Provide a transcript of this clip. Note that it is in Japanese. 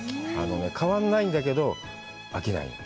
変わんないんだけど、飽きない。